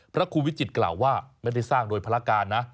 พระครูวิจิตกล่าวว่าไม่ได้สร้างโดยภารการนะ